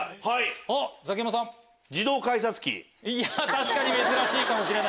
確かに珍しいかもしれない。